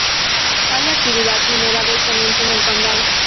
Hay actividad minera de cemento en el condado.